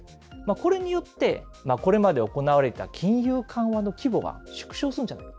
これによって、これまで行われた金融緩和の規模が縮小するんじゃないか。